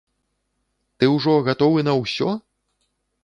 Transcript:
Ты ўжо гатовы на ўсё?